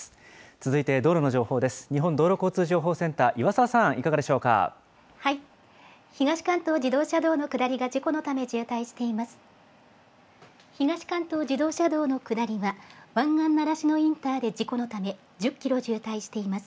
続いて道路の情報です。